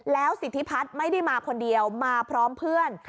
แล้วสิทธิพัฒน์ไม่ได้มาคนเดียวมาพร้อมเพื่อน